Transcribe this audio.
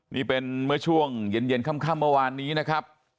นี่เป็นเมื่อช่วงเย็นค่ำเมื่อวานนี้นะครับ